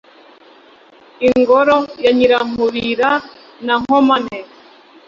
i ngoro ya nyirankubira na nkomane,